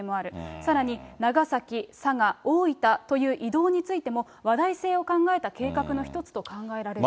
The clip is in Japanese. さらに長崎、佐賀、大分という移動についても、話題性を考えた計画の一つと考えられると。